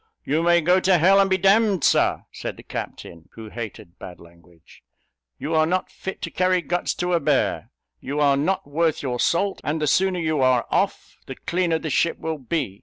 "You may go to hell, and be d d, Sir!" said the captain (who hated bad language); "you are not fit to carry guts to a bear! you are not worth your salt; and the sooner you are off, the cleaner the ship will be!